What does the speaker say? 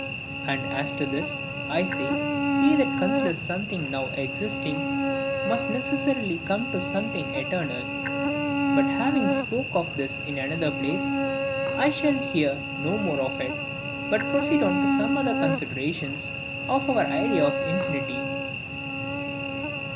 And as to this, I say, he that considers something now existing, must necessarily come to Something eternal. But having spoke of this in another place, I shall say here no more of it, but proceed on to some other considerations of our idea of infinity.